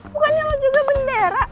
bukannya lo juga bendera